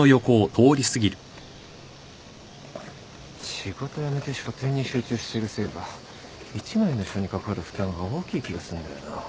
仕事やめて書展に集中してるせいか１枚の書にかかる負担が大きい気がすんだよな。